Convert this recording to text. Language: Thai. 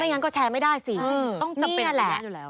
ไม่งั้นก็แชร์ไม่ได้สิต้องจำเป็นกันอยู่แล้ว